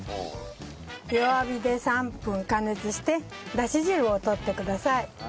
弱火で３分加熱してだし汁を取ってください。